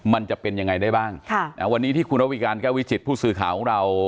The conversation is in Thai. มันจะเป็นยังไงได้บ้างค่ะนะวันนี้ที่คุณระวิการแก้ววิจิตผู้สื่อข่าวของเรา